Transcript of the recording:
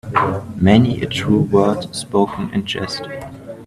Many a true word spoken in jest.